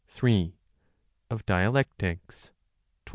Of Dialectics, 20.